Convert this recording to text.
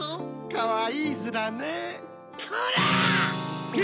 かわいいヅラね。